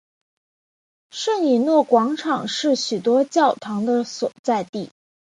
圣以诺广场是许多教堂的所在地。